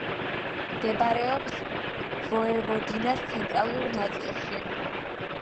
მდებარეობს ვოევოდინას ცენტრალურ ნაწილში.